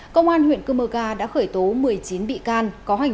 công an huyện cơ mơ ga đã khởi tố một mươi chín bị can